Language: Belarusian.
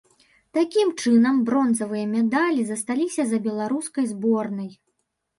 Такім чынам, бронзавыя медалі засталіся за беларускай зборнай.